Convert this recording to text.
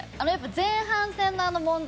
前半戦のあの問題